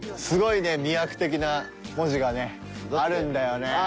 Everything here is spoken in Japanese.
すごいね魅惑的な文字がねあるんだよね。